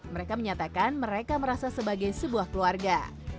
mereka menyatakan mereka merasa sebagai sebuah keluarga